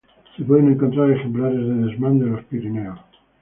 Se pueden encontrar ejemplares de desmán de los Pirineos.